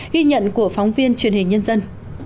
ghi nhận của phóng viên truyền hình nhân dân